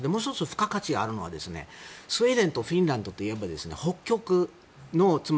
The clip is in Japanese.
付加価値があるのはスウェーデンとフィンランドといえば北極の零下